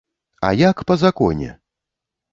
А як па законе?